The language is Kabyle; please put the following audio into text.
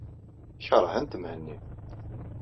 Keṛhent Mhenni.